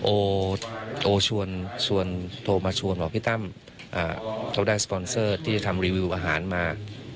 โอชวนโทรมาชวนบอกพี่ตั้มเขาได้สปอนเซอร์ที่ทำรีวิวอาหารมา